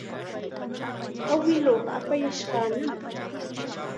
Awiluuqa upayashqanam.